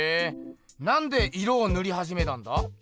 なんで色をぬりはじめたんだ？